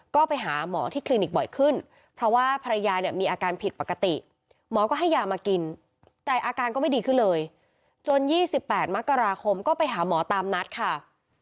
ก็ไปหาหมอที่คลินิกบ่อยขึ้นเพราะว่าภรรยาเนี่ยมีอาการผิดปกติหมอก็ให้ยามากินแต่อาการก็ไม่ดีขึ้นเลยจน๒๘มกราคมก็ไปหาหมอตามนัดค่ะ